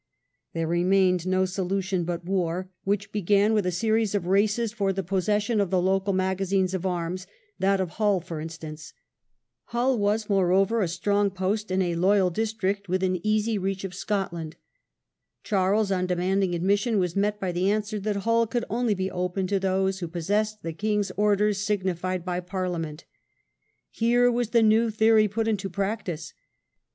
There remained no solution but war, which began with a series of races for the possession of the local magazines of arms, that of Hull for instance. Hull Taking mea was, moreover, a strong post, in a loyal ^ures for war. district within easy reach of Scotland. Charles, on demanding admission, was met by the answer that Hull could only be opened to those who possessed the king's orders "signified" by Parliament. Here was the new theory put into practice.